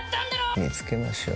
見つけましょう。